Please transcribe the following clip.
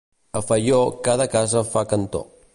A Faió cada casa fa cantó.